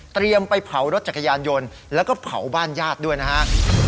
ไปเผารถจักรยานยนต์แล้วก็เผาบ้านญาติด้วยนะฮะ